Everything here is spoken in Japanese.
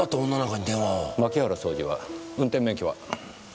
槇原惣司は運転免許は？